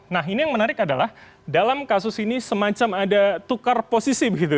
nah ini yang menarik adalah dalam kasus ini semacam ada tukar posisi begitu